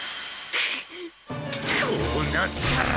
くっこうなったら。